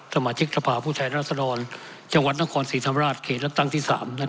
สมัครชิคกรรมภาพผู้ใช้รัฐศรรณจังหวัดนครศรีธรรมราชเขตและตั้งที่๓